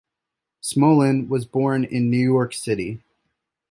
Smolin was born in New York City.